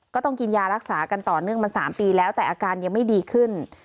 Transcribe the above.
ก็ต้องกินยารักษากันต่อเนื่องมา๓ปีแล้วแต่อาการยังไม่ดีขึ้น